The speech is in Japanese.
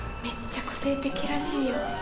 めっちゃ個性的らしいよ。